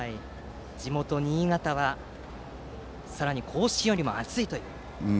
地元・新潟はさらに甲子園よりも暑いという。